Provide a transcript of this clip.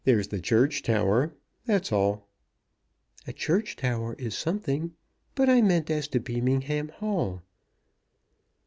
"There's the church tower; that's all." "A church tower is something; but I meant as to Beamingham Hall."